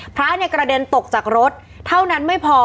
พระเนี่ยกระเด็นตกจากรถเท่านั้นไม่พอ